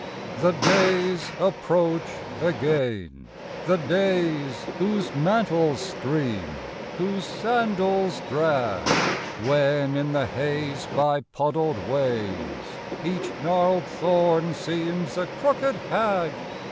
IV. The days approach again; the days, Whose mantles stream, whose sandals drag; When in the haze by puddled ways Each gnarled thorn seems a crookéd hag.